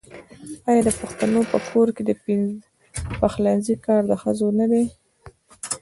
آیا د پښتنو په کور کې د پخلنځي کار د ښځو نه دی؟